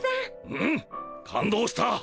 うん感動した！